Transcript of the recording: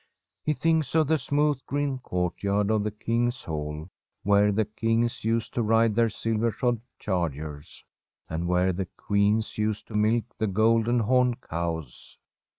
He thinks of the smooth green courtyard of the King's Hall, where the kings used to ride their silver shod chargers, and where the queens used to milk the golden horned cows.